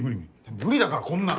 無理だからこんなん。